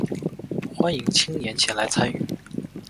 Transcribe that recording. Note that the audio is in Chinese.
欢迎青年前来参与